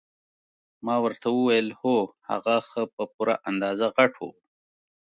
ما ورته وویل هو هغه ښه په پوره اندازه غټ وو.